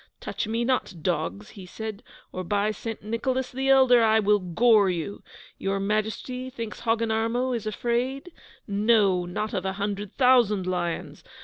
'Touch me not, dogs!' he said, 'or by St. Nicholas the Elder, I will gore you! Your Majesty thinks Hogginarmo is afraid? No, not of a hundred thousand lions!